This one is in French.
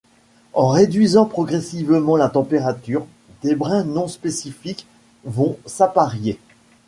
En réduisant progressivement la température, des brins non spécifiques vont s'apparier.